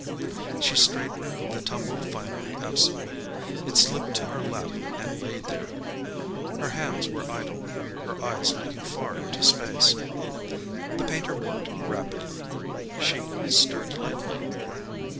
She straightened the tumbled finery absently. It slipped to her lap, and lay there. Her hands were idle, her eyes looking far into space. The painter worked rapidly. She stirred slightly.